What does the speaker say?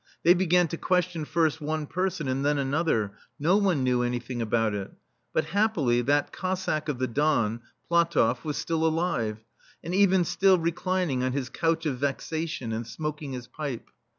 They began to question first one person and then another — no one knew anything about it. But, happily, that Cossack of the Don, PlatoflF, was still alive, and even still reclining on his couch of vexation and smoking his pipe.